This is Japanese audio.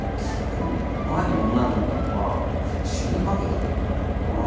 でも前に女になったのは死にかけたときなんだよな。